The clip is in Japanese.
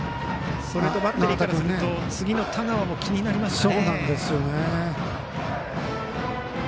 それとバッテリーからすると次の田川も気になりますね。